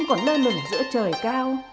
còn lơ lửng giữa trời cao